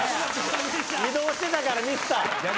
移動してたからミスった。